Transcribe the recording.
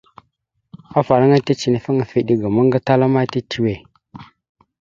Afalaŋa ticənefaŋ afa eɗe ga ammaŋ gatala ma titəwe.